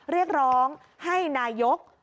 เรียกร้องให้นายก